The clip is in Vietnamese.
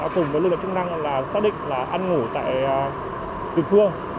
cùng với lực lượng chức năng là xác định là ăn ngủ tại địa phương